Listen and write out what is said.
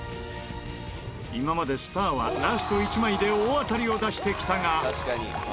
今までスターはラスト１枚で大当たりを出してきたが。